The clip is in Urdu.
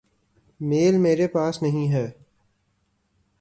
میل میرے پاس نہیں ہے۔۔